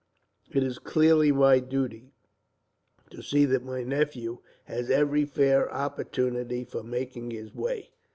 It is clearly my duty to see that my nephew has every fair opportunity for making his way.